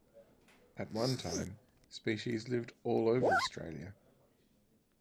At one time, species lived all over Australia.